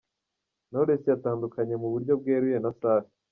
Knowless yatandukanye mu buryo bweruye na Safi.